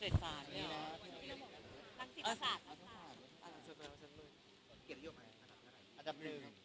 ขอบคุณครับ